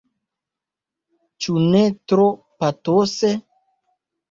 Ĉu ne tro patose?